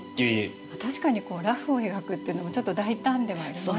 確かに裸婦を描くっていうのはちょっと大胆ではありますよね。